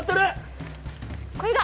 これだ！